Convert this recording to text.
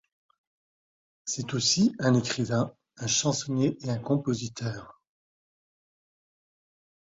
C'est aussi un écrivain, un chansonnier et un compositeur.